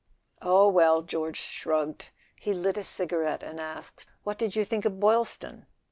"Oh, well," George shrugged. He lit a cigarette, and asked: "What did you think of Boylston?"